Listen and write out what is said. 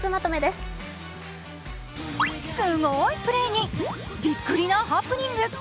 すごいプレーに、びっくりなハプニング。